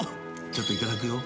ちょっといただくよ。